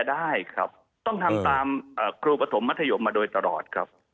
วิ่งตามครูปฐมมัธยมมาโดยตลอดครับ